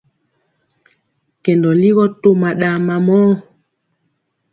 Kɛndɔ ligɔ toma ɗa mamɔɔ.